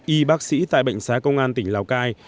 y bác sĩ tại bệnh xá công an tỉnh lào cai